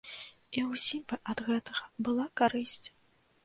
І ўсім бы ад гэтага была карысць.